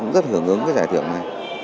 rất hưởng ứng cái giải thưởng này